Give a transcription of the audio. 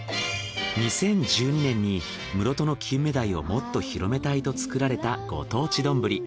２０１２年に室戸のキンメダイをもっと広めたいと作られたご当地丼